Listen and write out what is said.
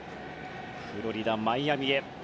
フロリダ・マイアミへ。